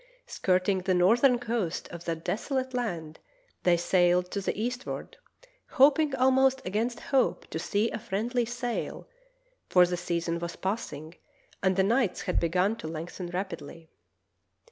Skirting the northern coast of that desolate land, they sailed to the eastward, hoping almost against hope to see a friendly sail, for the season was passing and the nights had begun to lengthen rapidly.